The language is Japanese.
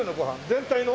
全体の？